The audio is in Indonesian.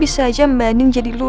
bisa aja mbak anin jadi lupa